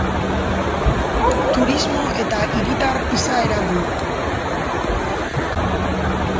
Turismo eta hiritar izaera du.